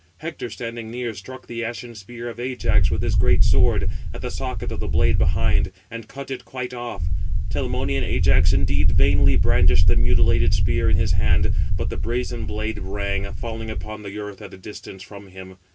Hector, standing near, struck the ashen spear of Ajax with his great sword, at the socket of the blade behind, and cut it quite off; Telamonian Ajax indeed vainly brandished the mutilated spear in his hand; but the brazen blade rang, falling upon the earth at a distance from him.